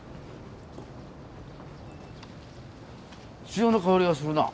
潮の香りがするな。